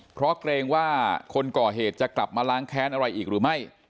เพราะเกรงว่าคนก่อเหตุจะกลับมาล้างแค้นอะไรอีกหรือไม่